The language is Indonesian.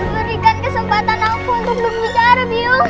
berikan kesempatan aku untuk berbicara yuk